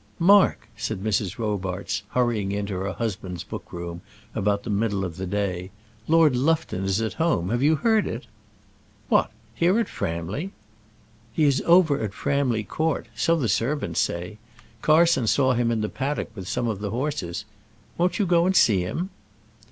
"Mark," said Mrs. Robarts, hurrying into her husband's book room about the middle of the day, "Lord Lufton is at home. Have you heard it?" "What! here at Framley?" "He is over at Framley Court; so the servants say. Carson saw him in the paddock with some of the horses. Won't you go and see him?"